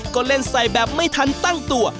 ก็เล่นใส่แบบไม่ทันตั้งตัว